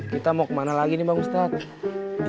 kita mau kemana lagi nih bang ustadz